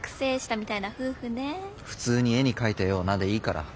普通に「絵に描いたような」でいいから。